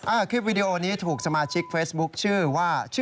อ้าวคลิปวีดีโอนี้ถูกสมาชิกเฟสบุ๊คชื่อว่า